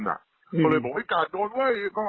เลยบอกกาดโดนเว้ย